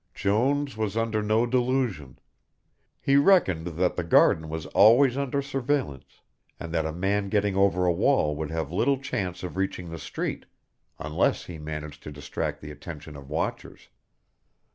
Jones was under no delusion. He reckoned that the garden was always under surveillance, and that a man getting over a wall would have little chance of reaching the street, unless he managed to distract the attention of watchers.